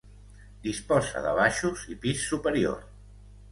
Disposa de baixos i pis superior.